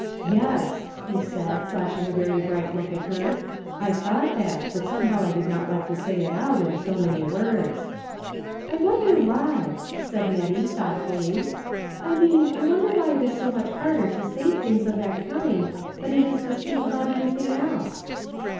" Yes," he said, flashing a very bright look at her, "I thought that, but somehow I did not like to say it out, in so many words." " I wonder why ?" said Nettie thoughtfully ;" I mean, I wonder why it is so much harder to say things of that kind than it is to speak about anything else